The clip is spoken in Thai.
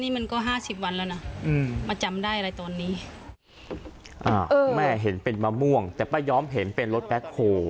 แม่เห็นเป็นมะม่วงแต่ไม่ยอมเห็นเป็นรถแบคโฮล์